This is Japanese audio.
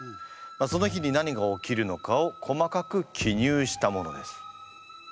その日に何が起きるのかを細かく記入したものです。